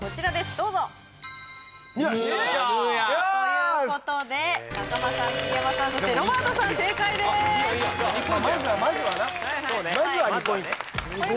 どうぞよし！ということで中間さん桐山さんそしてロバートさん正解ですまずはまずはなまずは２ポイント